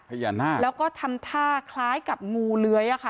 พญานาคแล้วก็ทำท่าคล้ายกับงูเลื้อยอ่ะค่ะ